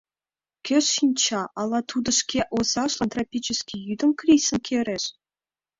Кӧ шинча, ала тудо шке озажлан тропический йӱдым крисым кереш?